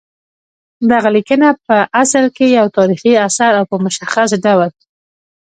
دغه لیکنه پع اصل کې یو تاریخي اثر او په مشخص ډول